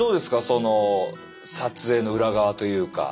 その撮影の裏側というか。